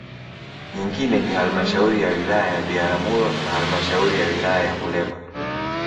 Nyingine ni Halmashauri ya wilaya ya Biharamulo na halmashauri ya Wilaya ya Muleba